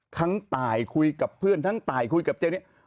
ตายคุยกับเพื่อนทั้งตายคุยกับเจนี่